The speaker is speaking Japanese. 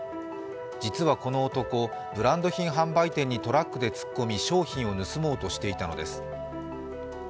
実はこの男、ブランド品販売店にトラックで突っ込み商品を盗もうとしていたのです。